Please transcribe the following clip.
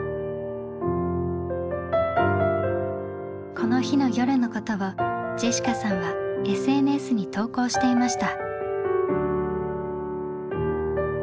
この日の夜のことをジェシカさんはＳＮＳに投稿していました。